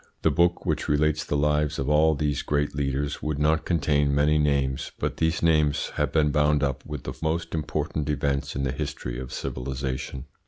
The book which relates the lives of all these great leaders would not contain many names, but these names have been bound up with the most important events in the history of civilisation.